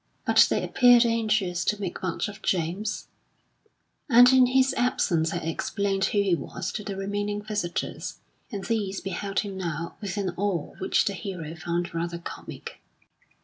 But they appeared anxious to make much of James, and in his absence had explained who he was to the remaining visitors, and these beheld him now with an awe which the hero found rather comic.